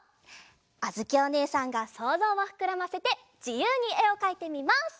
あづきおねえさんがそうぞうをふくらませてじゆうにえをかいてみます！